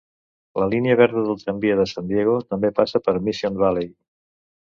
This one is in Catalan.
La línia verda del tramvia de San Diego també passa per Mission Valley.